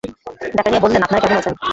জাকারিয়া বললেন, আপনারা কেমন আছেন?